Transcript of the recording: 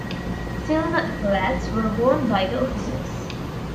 Silver epaulettes were worn by the officers.